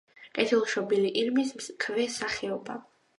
კეთილშობილი ირმის ქვესახეობა.